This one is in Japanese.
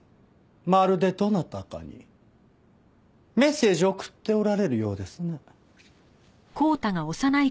まるでどなたかにメッセージを送っておられるようですね。